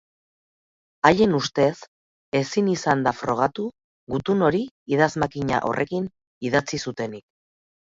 Haien ustez, ezin izan da frogatu gutun hori idazmakina horrekin idatzi zutenik.